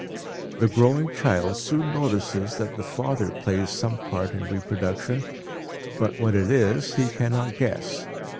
The growing child soon notices that the father plays some part in reproduction, but what it is he cannot guess.